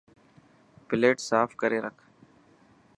پليٽ صاف ڪري رک.